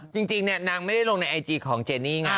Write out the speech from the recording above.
จริงจริงนางไม่ลงในอายจีของเจนนี่